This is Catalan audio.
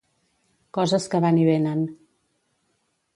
Coses que van i venen.